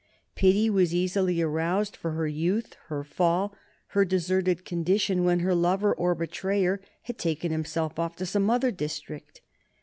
Pity was easily aroused for her youth, her fall, her deserted condition when her lover or betrayer had taken himself off to some other district.